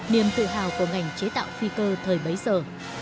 niềm tự hào của ngành chế tạo phi cơ thời bấy giờ